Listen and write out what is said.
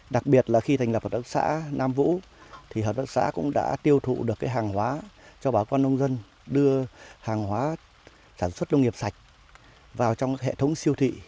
đặc biệt là khi thành lập hợp tác xã nam vũ thì hợp tác xã cũng đã tiêu thụ được hàng hóa cho bà con nông dân đưa hàng hóa sản xuất nông nghiệp sạch vào trong hệ thống siêu thị